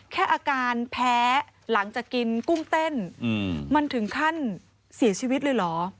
แค่อาการแพ้หลังจากกินกุ้งเต้นมันถึงขั้นเสียชีวิตเลยเหรอ